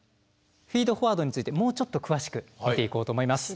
フィードフォワードについてもうちょっと詳しく見ていこうと思います。